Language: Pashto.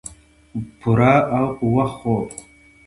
پوره او پۀ وخت خوب